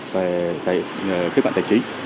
về phép bản tài chính